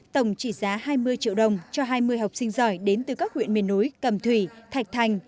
tổng trị giá hai mươi triệu đồng cho hai mươi học sinh giỏi đến từ các huyện miền núi cầm thủy thạch thành